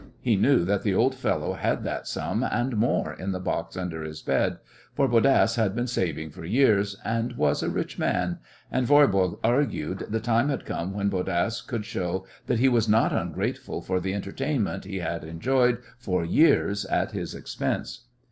He knew that the old fellow had that sum and more in the box under his bed, for Bodasse had been saving for years, and was a rich man, and, Voirbo argued, the time had come when Bodasse could show that he was not ungrateful for the entertainment he had enjoyed for years at his expense.